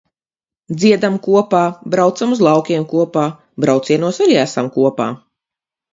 Dziedam kopā, braucam uz laukiem kopā, braucienos arī esam kopā.